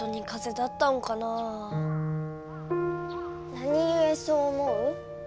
なにゆえそう思う？